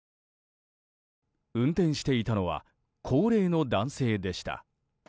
運転していたのは高齢の男性でした。